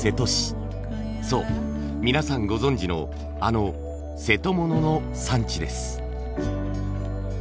そう皆さんご存じのあの瀬戸物の産地です。